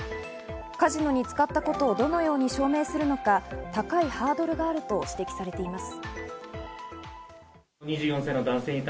カジノに使ったことをどのように証明するのか高いハードルがあると指摘されています。